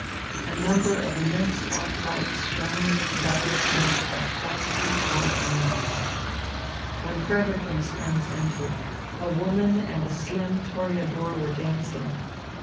A number of immense arc lights shone in the tobacco smoke like frosty, white moons. When Frederick and his friends entered, a woman and a slim toreador were dancing.